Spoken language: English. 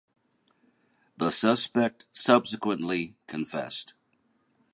The suspect subsequently confessed.